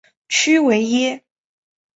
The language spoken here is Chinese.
屈维耶。